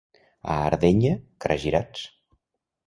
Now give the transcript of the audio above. A Ardenya, caragirats.